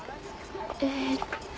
えっと。